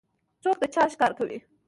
څوک د چا ښکار کوي؟